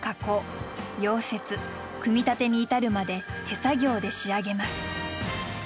溶接組み立てに至るまで手作業で仕上げます。